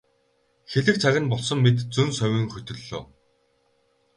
Хэлэх цаг нь болсон мэт зөн совин хөтөллөө.